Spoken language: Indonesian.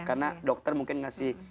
karena dokter mungkin ngasih